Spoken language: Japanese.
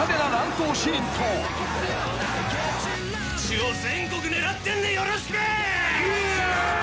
「一応全国狙ってんでよろしく！」